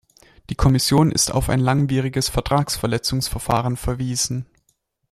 Die Kommission ist auf ein langwieriges Vertragsverletzungsverfahren verwiesen.